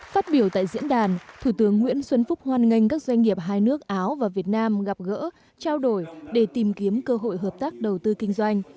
phát biểu tại diễn đàn thủ tướng nguyễn xuân phúc hoan nghênh các doanh nghiệp hai nước áo và việt nam gặp gỡ trao đổi để tìm kiếm cơ hội hợp tác đầu tư kinh doanh